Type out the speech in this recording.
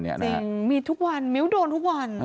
จริงมีทุกวันมิ้วโดนทุกวัน